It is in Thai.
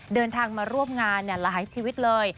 เดินทางมาร่วมงานหลายชีวิตเลย